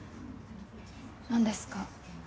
何ですか？